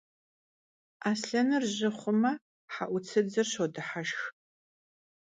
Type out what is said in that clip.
Aslhenır jı xhume he'utsıdzır şodıheşşx.